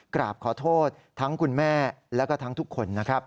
กราบขอโทษทั้งคุณแม่แล้วก็ทั้งทุกคนนะครับ